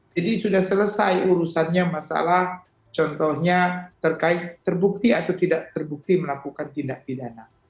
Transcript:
jadi sudah selesai urusannya masalah contohnya terkait terbukti atau tidak terbukti melakukan tindak pidana